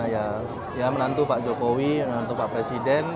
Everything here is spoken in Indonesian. ya menantu pak jokowi menantu pak presiden